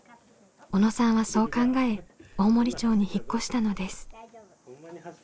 小野さんはそう考え大森町に引っ越したのです。